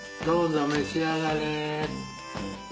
どうぞ召し上がれ。